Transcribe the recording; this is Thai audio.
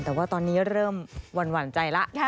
แต่ว่าตอนนี้เริ่มหวั่นหวั่นใจละ